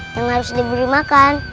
yang harus diberi makan